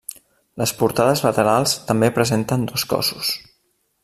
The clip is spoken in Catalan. Les portades laterals també presenten dos cossos.